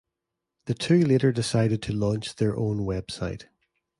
The two later decided to launch their own website.